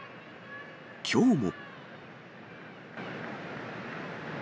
きょうも。